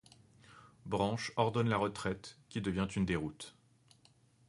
Branch ordonne la retraite, qui devient une déroute.